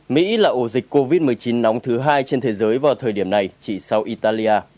mỹ là ổ dịch covid một mươi chín nóng thứ hai trên thế giới vào thời điểm này chỉ sau italia